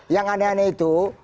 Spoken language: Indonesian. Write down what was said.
yang aneh aneh itu